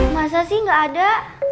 masa sih gak ada